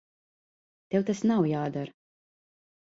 Tev tas nav jādara.